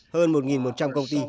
hơn một một trăm linh công ty